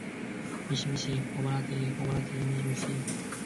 多花茶藨子为虎耳草科茶藨子属下的一个种。